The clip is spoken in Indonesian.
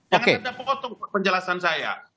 jangan anda potong penjelasan saya